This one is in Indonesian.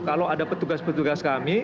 kalau ada petugas petugas kami